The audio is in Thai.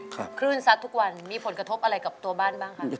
คลื่นซัดทุกวันมีผลกระทบอะไรกับตัวบ้านบ้างคะ